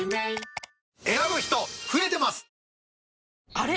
あれ？